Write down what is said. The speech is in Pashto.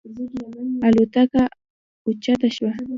الوتکه اوچته شوه.